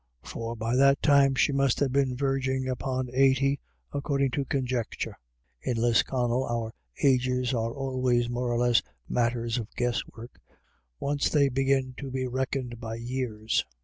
For by that time she must have been verging upon eighty, according to con jecture — in Lisconnel our ages are always more or less matters of guess work, once they begin to be reckoned by years.